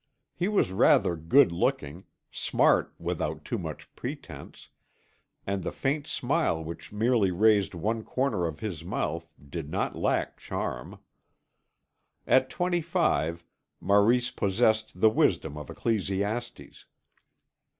He was rather good looking, smart without too much pretence, and the faint smile which merely raised one corner of his mouth did not lack charm. At twenty five Maurice possessed the wisdom of Ecclesiastes.